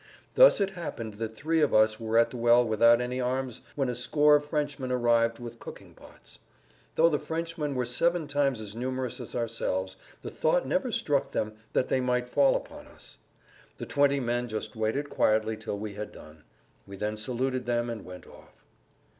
Thus it happened that three of us were at the well without any arms when a score of Frenchmen arrived with cooking pots. Though the Frenchmen were seven times as numerous as ourselves the thought never struck them that they might fall upon us. The twenty men just waited quietly till we had done; we then saluted them and went off.